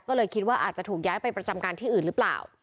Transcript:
ก็เลยคิดว่าอาจจะถูกย้ายไปประจำการที่อื่นหรือเปล่า